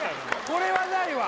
これはないわ